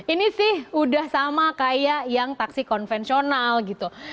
ini sih udah sama kayak yang taksi konvensional gitu